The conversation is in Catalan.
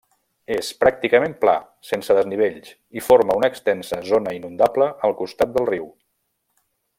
És pràcticament pla, sense desnivells, i forma una extensa zona inundable al costat del riu.